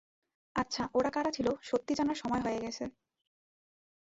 আচ্ছা, ওরা কারা ছিল, সত্যি জানার সময় হয়ে গেছে।